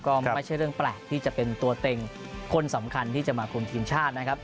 ก็ไม่ใช่เรื่องแปลกที่จะเป็นตัวเต็งคนสำคัญที่จะมาคุมทีมชาตินะครับ